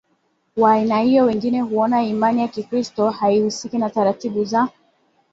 wa aina hiyo Wengine huona imani ya Kikristo haihusiki na taratibu za